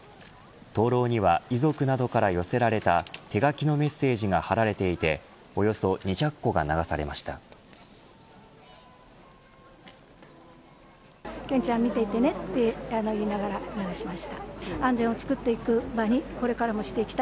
灯籠には遺族などから寄せられた手書きのメッセージが貼られていて土曜日の天気をお伝えします。